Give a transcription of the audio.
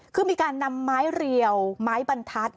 คือมีการนำไม้เรียวไม้บรรทัศน์